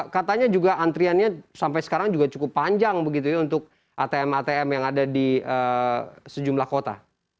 katanya juga antriannya sampai sekarang juga cukup panjang begitu ya untuk atm atm yang ada di sejumlah kota